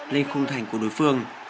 lên khung thành của đối phương